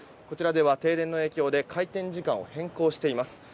こちらでは停電の影響で開店時間を変更しています。